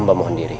ibu mohon diri